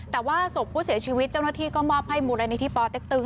แต่ว่าศพผู้เสียชีวิตเจ้าหน้าที่ก็มอบให้มูลนิธิปอเต็กตึง